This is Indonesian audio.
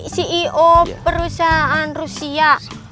ceo perusahaan rusia